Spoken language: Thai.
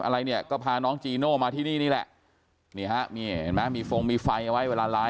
เดี๋ยว